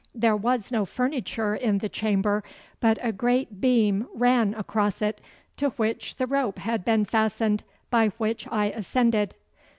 There was no furniture in the chamber, but a great beam ran across it, to which the rope had been fastened by which I ascended.